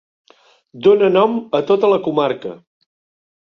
Dóna nom a tota la comarca.